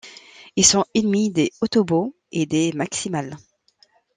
Ils sont ennemis des Autobots et des Maximals.